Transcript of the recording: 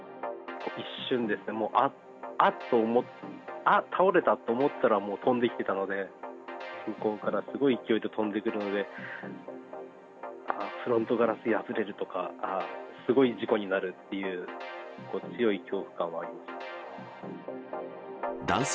一瞬ですね、もう、あっと思ったら、あっ、倒れたと思ったらもう飛んできてたので、向こうからすごい勢いで飛んでくるので、フロントガラス破れるとか、すごい事故になるっていう、強い恐怖感はありました。